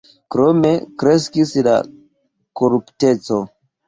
Krome kreskis la korupteco.